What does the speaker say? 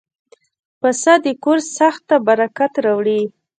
پسه د کور ساحت ته برکت راوړي.